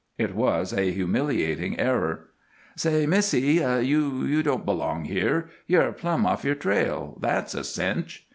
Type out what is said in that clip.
It was a humiliating error. "Say, missie, you you don't belong here. You're plumb off your trail. That's a cinch!"